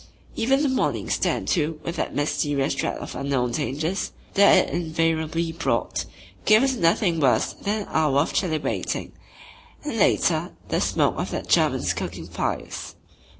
Even the morning "Stand to" with that mysterious dread of unknown dangers that it invariably brought gave us nothing worse than an hour of chilly waiting and later, the smoke of the Germans' cooking fires.